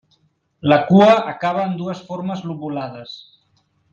La cua acaba en dues formes lobulades.